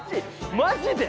マジで？